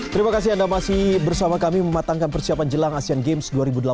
terima kasih anda masih bersama kami mematangkan persiapan jelang asean games dua ribu delapan belas